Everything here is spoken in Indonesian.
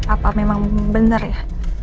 apa memang bener ya